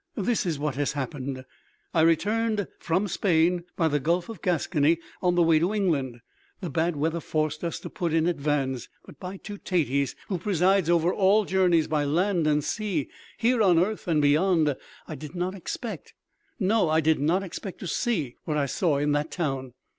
This is what has happened. I returned from Spain by the gulf of Gascony on the way to England. The bad weather forced us to put in at Vannes. But by Teutates, who presides over all journeys by land and sea, here on earth and beyond, I did not expect no, I did not expect to see what I saw in that town.